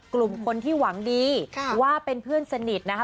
กลุ่มคนที่หวังดีว่าเป็นเพื่อนสนิทนะคะ